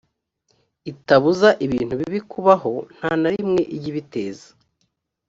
itabuza ibintu bibi kubaho nta na rimwe ijya ibiteza